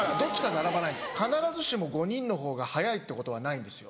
必ずしも５人のほうが早いってことはないんですよ。